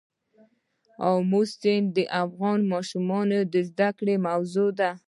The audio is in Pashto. آمو سیند د افغان ماشومانو د زده کړې موضوع ده.